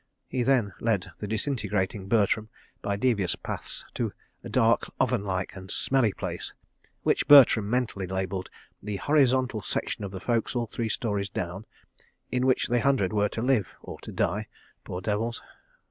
..." He then led the disintegrating Bertram by devious paths to a dark oven like and smelly place (which Bertram mentally labelled "the horizontal section of the fo'c'sle, three storeys down") in which the Hundred were to live, or to die—poor devils!